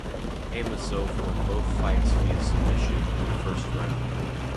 Amosov won both fights via submission in the first round.